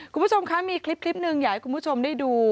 คุณผู้ชมคะมีคลิปหนึ่งอยากให้คุณผู้ชมได้ดู